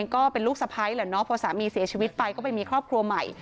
ก็เป็นลูกสะพ้ายแหละเนาะพอสามีเสียชีวิตไปก็ไปมีครอบครัวใหม่